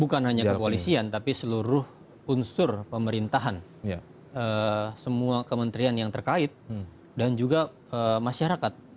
bukan hanya kepolisian tapi seluruh unsur pemerintahan semua kementerian yang terkait dan juga masyarakat